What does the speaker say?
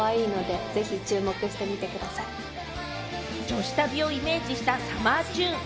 女子旅をイメージしたサマーチューン。